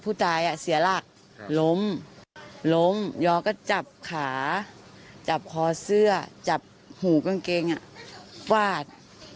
ผู้ตายอ่ะเสียหลักล้มล้มย้อก็จับขาจับคอเสื้อจับหูกางเกงอ่ะวาด